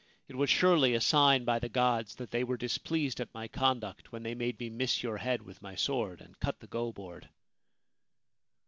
It was surely a sign by the gods that they were displeased at my conduct when they made me miss your head with my sword and cut the go board.'